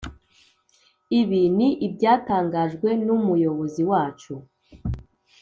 ibi ni ibyatangajwe n’umuyobozi wacu